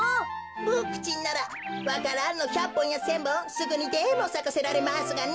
ボクちんならわか蘭の１００ぽんや１，０００ぼんすぐにでもさかせられますがね。